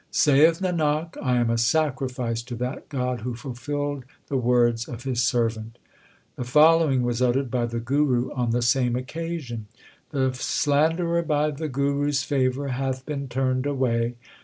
Saith Nanak, I am a sacrifice to that God who fulfilled the words of His servant. 1 The following was uttered by the Guru on the same occasion : The slanderer by the Guru s favour hath been turned away.